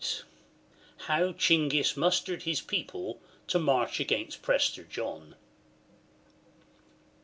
How Chinghis mustered his People to march against Prester John.